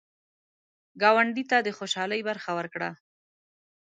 ګاونډي ته د خوشحالۍ برخه ورکړه